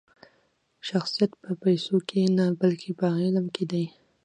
شخصیت په پیسو کښي نه؛ بلکي په علم کښي دئ.